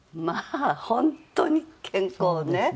まあ本当に健康ね。